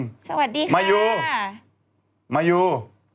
สวัสดีค่ะมายูมายู